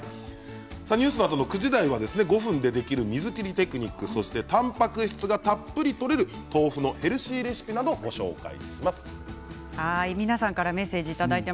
ニュースのあと９時台は５分でできる水切りテクニックそしてたんぱく質がたっぷりとれる豆腐のヘルシーレシピなどを皆さんからメッセージです。